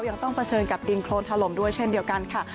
ยังต้องเผชิญกับดินโครนถล่มด้วยเช่นเดียวกันค่ะ